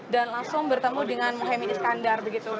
dan langsung bertemu dengan mohamad iskandar